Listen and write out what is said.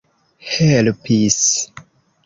helpis